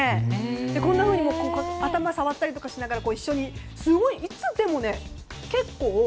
こんなふうに頭触ったりしながら一緒にすごいいつでも結構。